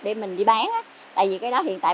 để mình đi bán tại vì cái đó hiện tại